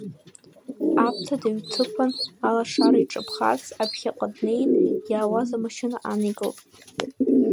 Аԥҭа дыҩҭыԥан, алашара иҿаԥхарц, аԥхьаҟа днеин, иаауаз амашьына ааникылеит.